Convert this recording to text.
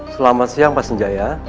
selamat siang pak sanjaya